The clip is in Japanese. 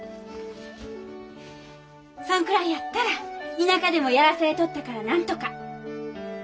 そんくらいやったら田舎でもやらされとったからなんとか。